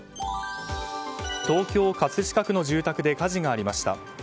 東京・葛飾区の住宅で火事がありました。